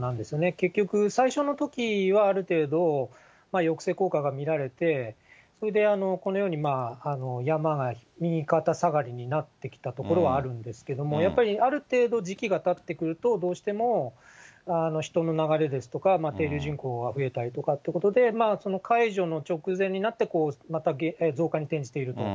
結局、最初のときはある程度抑制効果が見られて、それでこのように山が右肩下がりになってきたところはあるんですけども、やっぱりある程度、時期がたってくると、どうしても人の流れですとか、停留人口が増えたりとか、解除の直前になって、また増加に転じていると。